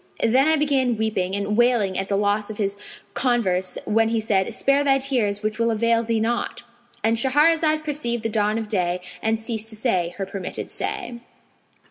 Then I began weeping and wailing at the loss of his converse, when he said, 'Spare thy tears which will avail thee naught!'" And Shahrazad perceived the dawn of day and ceased to say her permitted say.